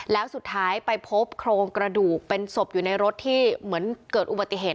แล้วสุดท้ายไปพบโครงกระดูกเป็นศพอยู่ในรถที่เหมือนเกิดอุบัติเหตุ